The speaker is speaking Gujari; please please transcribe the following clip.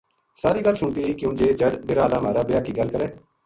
ساری گل سُنتی رہی کیوں جے جَد ڈیرا ہالا مھارا بیاہ کی گَل کرے